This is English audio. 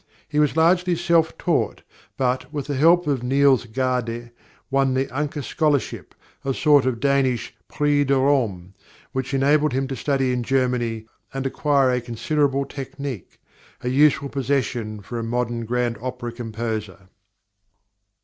He was largely self taught; but, with the help of Niels Gade, won the Ancker Scholarship, a sort of Danish "Prix de Rome," which enabled him to study in Germany and acquire a considerable technique a useful possession for a modern grand opera composer.